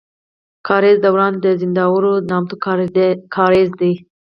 کاريز دوران د زينداور نامتو کاريز دی.